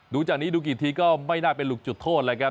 ดูจากนี้ดูกี่ทีก็ไม่น่าไปหลุกจุดโทษเลยครับ